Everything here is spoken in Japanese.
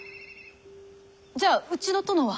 じゃあうちの殿は？